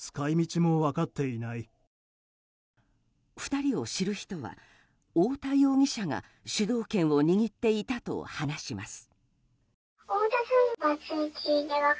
２人を知る人は太田容疑者が主導権を握っていたと話します。